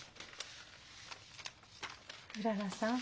うららさん。